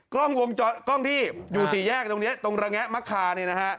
กล้องวงจรที่อยู่สี่แยกตรงนี้ตรงระแงะมะคาเนี่ยนะฮะ